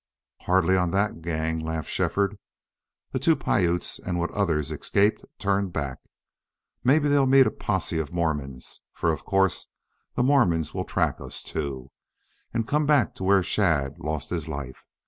"Hardly on that gang," laughed Shefford. "The two Piutes and what others escaped turned back. Maybe they'll meet a posse of Mormons for of course the Mormons will track us, too and come back to where Shadd lost his life.